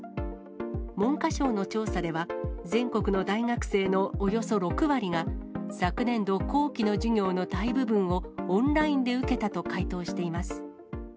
文科省の調査では、全国の大学生のおよそ６割が、昨年度後期の授業の大部分をオンラインで受けたと回答しています。